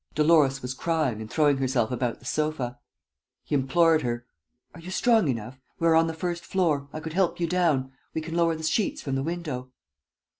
Dolores was crying and throwing herself about the sofa. He implored her: "Are you strong enough? We are on the first floor. I could help you down. We can lower the sheets from the window.